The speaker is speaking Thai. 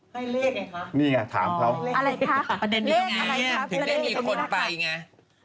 ให้เลขไงคะอะไรคะพอเด็นตรงไงถึงได้มีคนไปไง